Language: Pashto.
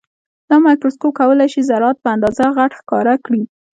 دا مایکروسکوپ کولای شي ذرات په اندازه غټ ښکاره کړي.